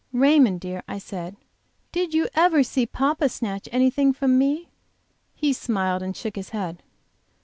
"Raymond, dear," I said, "did you ever see papa snatch anything from me?" He smiled, and shook his head.